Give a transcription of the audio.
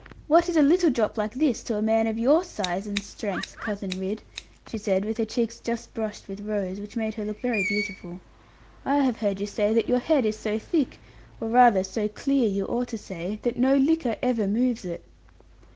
'What is a little drop like this to a man of your size and strength, Cousin Ridd?' she said, with her cheeks just brushed with rose, which made her look very beautiful; 'I have heard you say that your head is so thick or rather so clear, you ought to say that no liquor ever moves it.'